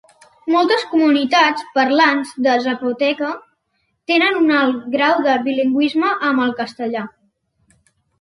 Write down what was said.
Moltes comunitats parlants de zapoteca tenen un alt grau de bilingüisme amb el castellà.